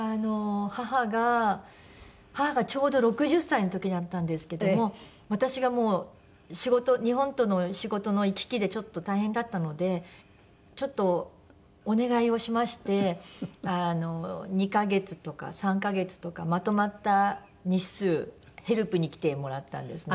母が母がちょうど６０歳の時だったんですけども私がもう仕事日本との仕事の行き来でちょっと大変だったのでちょっとお願いをしまして２カ月とか３カ月とかまとまった日数ヘルプに来てもらったんですね。